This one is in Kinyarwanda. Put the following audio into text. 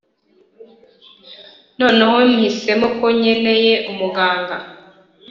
noneho mpisemo ko nkeneye umuganga